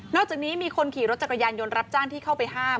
อกจากนี้มีคนขี่รถจักรยานยนต์รับจ้างที่เข้าไปห้าม